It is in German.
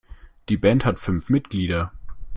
Die Band hat fünf Mitglieder.